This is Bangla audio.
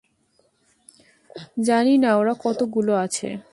জানি না ওরা কতগুলো আছে।